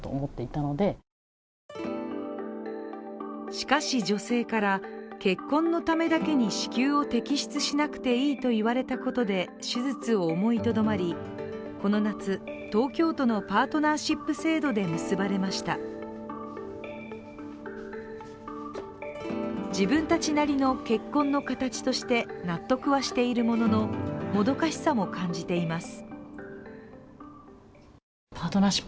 しかし、女性から、結婚のためだけに子宮を摘出しなくていいと言われたことで手術を思いとどまり、この夏東京都のパートナーシップ制度で結ばれました自分たちなりの結婚の形として納得はしているもののもどかしさも感じています。